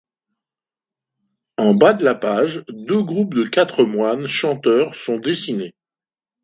En bas de la page, deux groupes de quatre moines chanteurs sont dessinés.